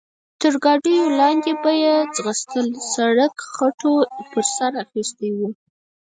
تر ګاډیو لاندې به یې ځغستل، سړک خټو پر سر اخیستی و.